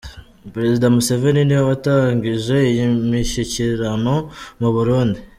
Perezida Museveni niwe watangije iyi mishyikirano mu Burundi